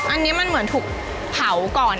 อันนี้มันเหมือนถูกเผาก่อน